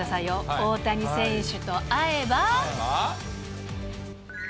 大谷選手と会えば。